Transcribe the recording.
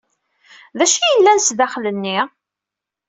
D acu ay yellan sdaxel-nni?